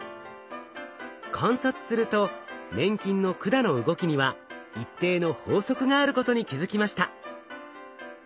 観察すると粘菌の管の動きには一定の法則があることに気付きました。